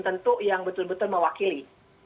tentu yang betul betul mewakili